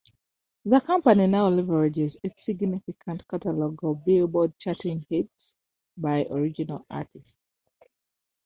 The company now leverages its significant catalog of Billboard-charting hits, by the original artists.